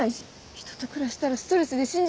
人と暮らしたらストレスで死んじゃうよ。